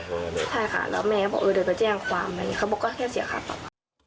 ใช่ค่ะแล้วแม่ก็บอกเดี๋ยวจะแจ้งความบอกว่าแค่เสียค่าปรับ